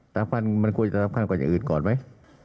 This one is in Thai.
ฟันมันควรจะสำคัญกว่าอย่างอื่นก่อนไหม